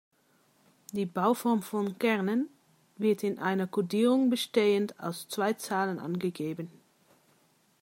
Die Bauform von Kernen wird in einer Kodierung bestehend aus zwei Zahlen angegeben.